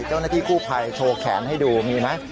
เจ้าหน้าที่กู้ภัยโชว์แขนให้ดูมีไหม